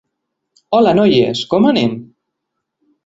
Hola, noies, com anem?